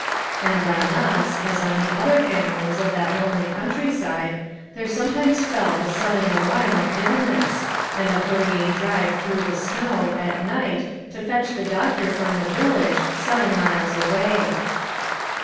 And on us, as on the other families of that lonely countryside, there sometimes fell the sudden alarm of illness, and the hurrying drive through the snow at night to fetch the doctor from the village, seven miles away.